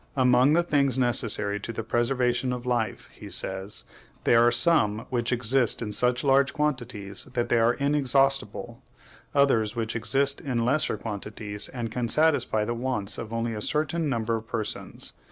"Among the things necessary to the preservation of life," he says, "there are some which exist in such large quantities that they are inexhaustible; others which exist in lesser quantities, and can satisfy the wants of only a certain number of persons.